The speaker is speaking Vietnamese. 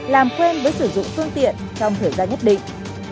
làm quen với sử dụng phương tiện trong thời gian nhất định